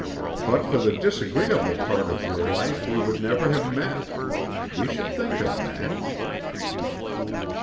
But for the disagreeable part of your life we would never have met; we should think of that."